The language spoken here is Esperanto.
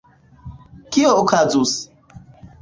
Kio okazus?